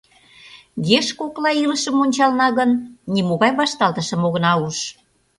Еш кокла илышым ончалына гын, нимогай вашталтышым огына уж.